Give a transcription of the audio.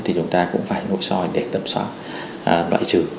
thì chúng ta cũng phải nội soi để tầm soát loại trừ